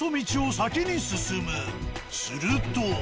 すると。